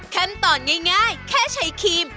ขั้นตอนง่ายแค่ใช้ครีม